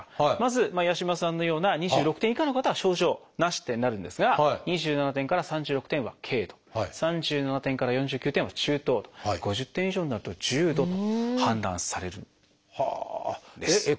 まず八嶋さんのような２６点以下の方は「症状なし」ってなるんですが２７点から３６点は「軽度」３７点から４９点は「中等度」５０点以上になると「重度」と判断されるんです。